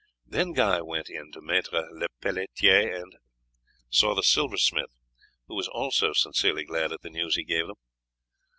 Then Guy went in to Maître Lepelletiere and saw the silversmith, who was also sincerely glad at the news he gave him.